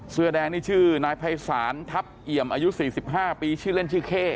เสื้อแดงนี่ชื่อนายภัยศาลทัพเอี่ยมอายุ๔๕ปีชื่อเล่นชื่อเข้